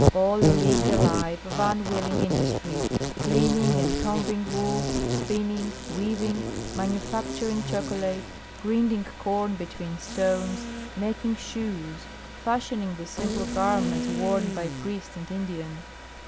All lived a life of unwilling industry: cleaning and combing wool, spinning, weaving, manufacturing chocolate, grinding corn between stones, making shoes, fashioning the simple garments worn by priest and Indian.